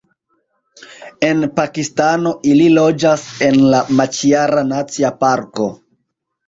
En Pakistano ili loĝas en la Maĉiara Nacia Parko.